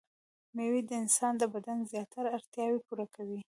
مېوې د انسان د بدن زياتره اړتياوې پوره کوي.